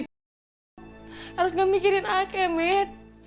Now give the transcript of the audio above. harus gak mikirin akemet